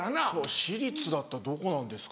私立だったらどこなんですか。